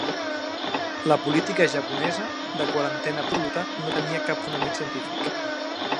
La política japonesa de quarantena absoluta... no tenia cap fonament científic.